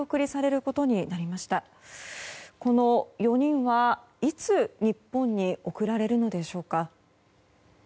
この４人はいつ日本に送られるのでしょうか。